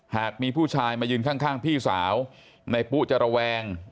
หากมีผู้ชายมายืนข้างพี่สาวนายปุ๊จะระแวง